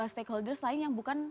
stakeholders lain yang bukan